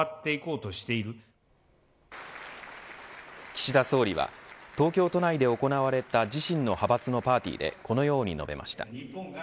岸田総理は東京都内で行われた自身の派閥のパーティーでこのように述べました。